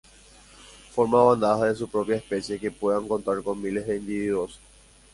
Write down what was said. Forma bandadas de su propia especie que pueden contar con miles de individuos.